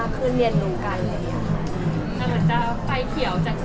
คือแม่ก็โอเค